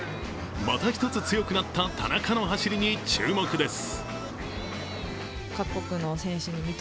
また１つ強くなった田中の走りに注目です。